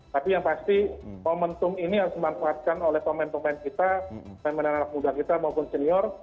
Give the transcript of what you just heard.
tapi yang pasti momentum ini harus dimanfaatkan oleh pemain pemain kita pemain anak muda kita maupun senior